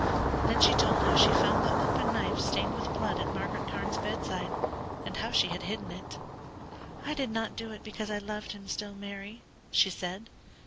Then she told how she found the open knife stained with blood at Margaret Carne's bedside, and how she had hidden it. "I did not do it because I loved him still, Mary," she said.